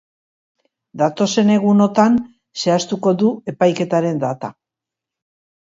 Datozen egunotan zehaztuko du epaiketaren data.